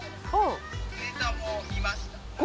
ネタも見ました。